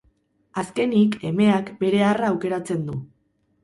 Azkenik emeak bere arra aukeratzen du.